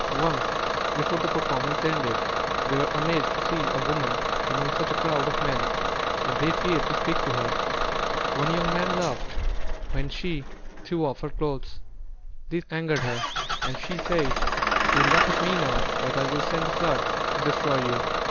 Once before the performance ended, they were amazed to see a woman among such a crowd of men; but they feared to speak to her. One young man laughed when she threw off her clothes. This angered her, and she said: "You laugh at me now; but I will send a flood to destroy you."